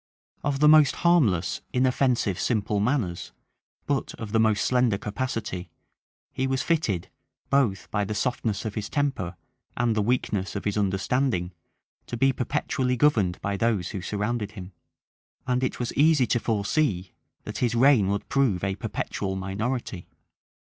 Of the most harmless, inoffensive, simple manners, but of the most slender capacity, he was fitted, both by the softness of his temper and the weakness of his understanding, to be perpetually governed by those who surrounded him; and it was easy to foresee that his reign would prove a perpetual minority.